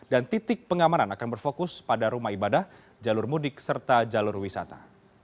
dan titik pengamanan akan berfokus pada rumah ibadah jalur mudik serta jalur wisata